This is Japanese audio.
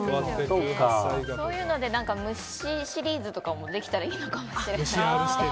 そういうので虫シリーズとかもできたらいいのかもしれない。